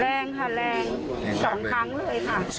แรงค่ะแรง๒ครั้งเลยค่ะ